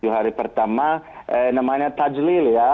tujuh hari pertama namanya tajlil ya